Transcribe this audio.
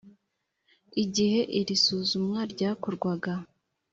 igihe iri suzumwa ryakorwaga